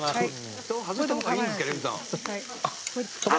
ふたを外したほうがいいんですか、レミさん。